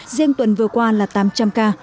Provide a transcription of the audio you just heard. riêng tuần vừa qua là tám trăm linh ca